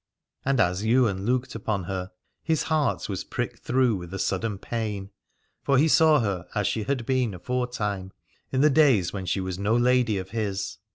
And as Ywain looked upon her his heart was pricked through with a sudden pain : for he saw her as she had 279 Aladore been aforetime, in the days when she was no lady of his.